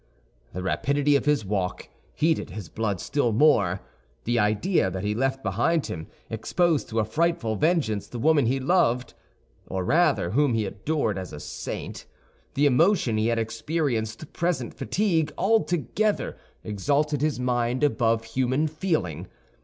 The rapidity of his walk heated his blood still more; the idea that he left behind him, exposed to a frightful vengeance, the woman he loved, or rather whom he adored as a saint, the emotion he had experienced, present fatigue—all together exalted his mind above human feeling.